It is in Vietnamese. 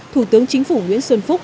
thủ tướng chính phủ nguyễn xuân phúc